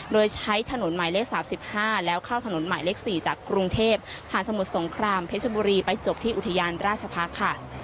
โดยใช้ถนนหมายเลข๓๕แล้วเข้าถนนหมายเลข๔จากกรุงเทพผ่านสมุทรสงครามเพชรบุรีไปจบที่อุทยานราชพักษ์ค่ะ